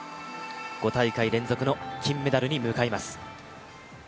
５大会連続の金メダルに向かいます。